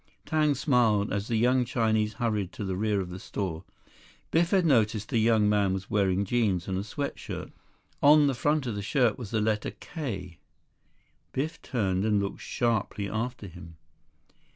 Tang smiled as the young Chinese hurried to the rear of the store. Biff had noticed the young man was wearing jeans and a sweat shirt. On the front of the shirt was the letter "K!" Biff turned and looked sharply after him.